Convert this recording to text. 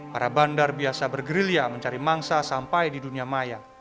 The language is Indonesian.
para bandar biasa bergerilya mencari mangsa sampai di dunia maya